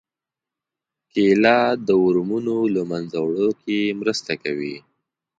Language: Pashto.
کېله د ورمونو له منځه وړو کې مرسته کوي.